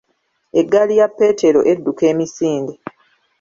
Eggaali ya Peetero edduka emisinde.